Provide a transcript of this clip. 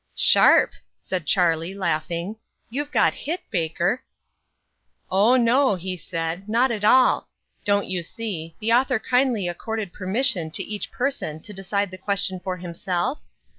"Sharp!" said Charlie, laughing; "you've got hit, Baker." "Oh, no," he said, "not at all. Don't you see, the author kindly accorded permission for each person to decide the question for himself?